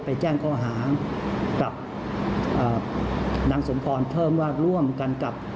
แจ้งข้อหากับนางสมพรเพิ่มว่าร่วมกันกับ